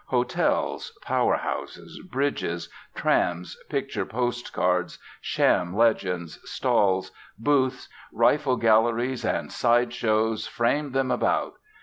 Hotels, power houses, bridges, trams, picture post cards, sham legends, stalls, booths, rifle galleries, and side shows frame them about.